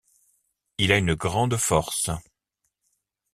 Il a une grande force.